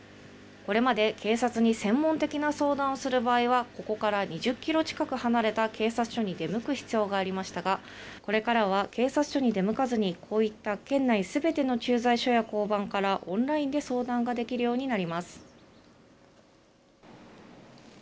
これまで警察に専門的な相談をする場合はここから２０キロ近く離れた警察署に出向く必要がありましたがこれからは警察署に出向かずにこういった県内すべての駐在所や交番からオンラインで相談ができるようになります。